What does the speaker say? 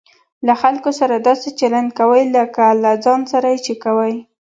له خلکو سره داسي چلند کوئ؛ لکه له ځان سره چې کوى.